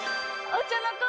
お茶の子